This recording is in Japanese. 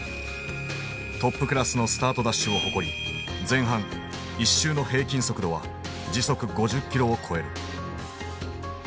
トップクラスのスタートダッシュを誇り前半１周の平均速度は時速５０キロを超える。